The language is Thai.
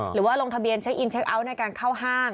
หรือว่าลงทะเบียนเช็คอินเช็คเอาท์ในการเข้าห้าง